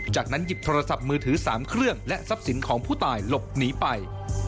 จากนั้นหยิบโทรศัพท์มือถือ๓เครื่องและทรัพย์สินของผู้ตายหลบหนีไป